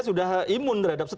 sudah imun terhadap stres